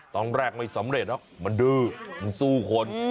ตอนแรกไม่สำเร็จหรอกมันดื้อมันสู้คน